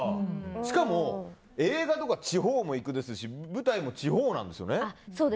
しかも、映画とか地方も行くし舞台も地方なんですよね。